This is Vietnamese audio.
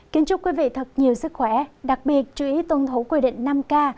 kính chúc quý vị thật nhiều sức khỏe đặc biệt chú ý tuân thủ quy định năm k